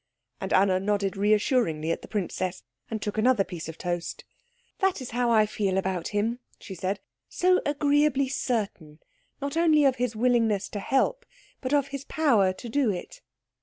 And Anna nodded reassuringly at the princess, and took another piece of toast "That is how I feel about him," she said. "So agreeably certain, not only of his willingness to help, but of his power to do it."